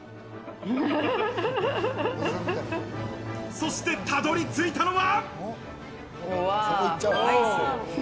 そして、たどり着いたのは。